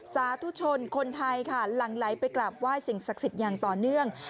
สาธุชนคนไทยค่ะหลังไหลไปกลับไหว้สิ่งศักดิ์สิทธิ์อย่างต่อเนื่อง